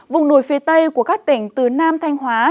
vùng núi phía tây của các tỉnh từ nam thanh hóa